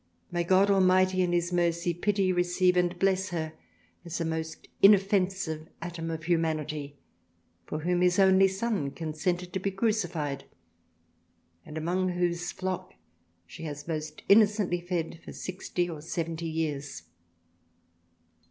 May God Almighty in his Mercy, pity, receive and bless her as a most inoffensive Atom of Humanity, for whom His only Son consented to be crucified and among whose Flock she has most innocently fed for sixty or seventy years.